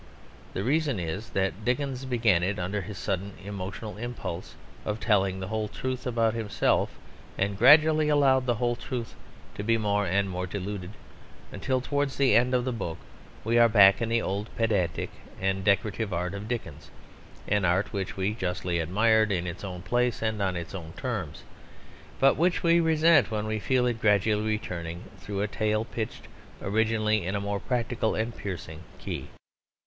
The reason is that Dickens began it under his sudden emotional impulse of telling the whole truth about himself and gradually allowed the whole truth to be more and more diluted, until towards the end of the book we are back in the old pedantic and decorative art of Dickens, an art which we justly admired in its own place and on its own terms, but which we resent when we feel it gradually returning through a tale pitched originally in a more practical and piercing key.